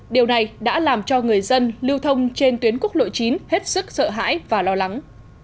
điều này đã làm cho người dân lưu thông trên tuyến quốc lộ chín hết sức sợ hãi và lo lắng